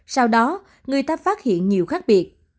sau đó người ta phát hiện nhiều khác biệt